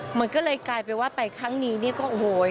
มันก็เลยกลายเป็นว่าไปครั้งนี้เนี่ยก็โอ้โห